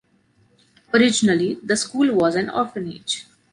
Originally, the school was an orphanage.